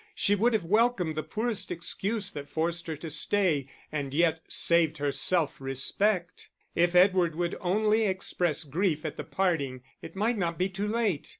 She would have welcomed the poorest excuse that forced her to stay, and yet saved her self respect. If Edward would only express grief at the parting, it might not be too late.